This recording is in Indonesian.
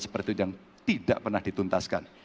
seperti itu yang tidak pernah dituntaskan